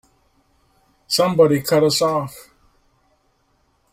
Somebody cut us off!